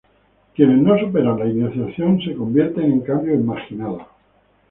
Quienes no superan la iniciación se convierten, en cambio, en marginados.